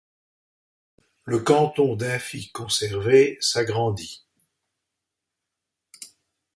Le canton d'Imphy, conservé, s'agrandit.